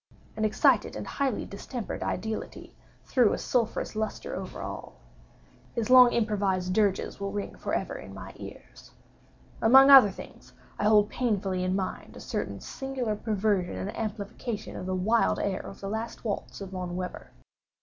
An excited and highly distempered ideality threw a sulphureous lustre over all. His long improvised dirges will ring forever in my ears. Among other things, I hold painfully in mind a certain singular perversion and amplification of the wild air of the last waltz of Von Weber.